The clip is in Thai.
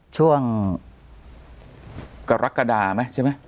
ช่วงกรกฎาไหมใช่ไหม